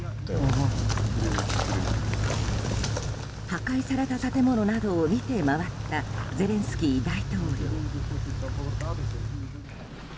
破壊された建物などを見て回ったゼレンスキー大統領。